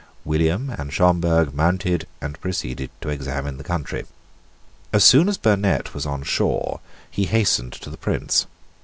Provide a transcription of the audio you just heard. William and Schomberg mounted and proceeded to examine the country. As soon as Burnet was on shore he hastened to the Prince.